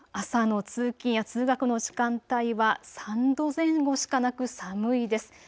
朝の通勤通学の時間帯は３度前後しかなく寒いです。